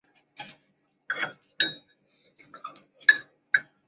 聚乙烯按其密度和分支分类。